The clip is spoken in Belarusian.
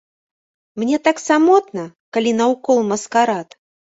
Мне так самотна, калі наўкол маскарад.